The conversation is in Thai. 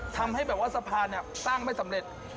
ทำให้แบบว่าสะพานสร้างไม่สำเร็จ